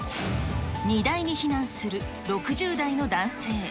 荷台に避難する６０代の男性。